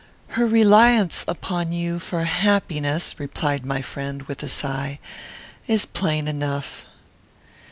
"Her reliance upon you for happiness," replied my friend, with a sigh, "is plain enough."